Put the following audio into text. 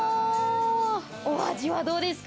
お味はどうですか？